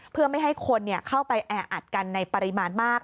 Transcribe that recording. เพื่อไม่ให้คนเข้าไปแออัดกันในปริมาณมาก